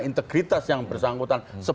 integritas yang bersangkutan